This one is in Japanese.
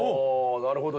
なるほど。